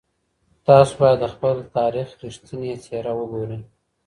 تاسو بايد د خپل تاريخ رښتينې څېره وګورئ.